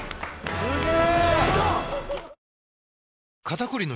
すげえ！